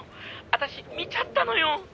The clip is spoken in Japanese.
私見ちゃったのよ！」